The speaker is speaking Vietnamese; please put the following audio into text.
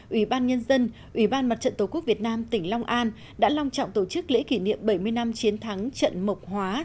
ủy ban nhân dân ủy ban mặt trận tổ quốc việt nam tỉnh long an đã long trọng tổ chức lễ kỷ niệm bảy mươi năm chiến thắng trận mộc hóa